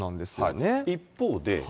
一方で。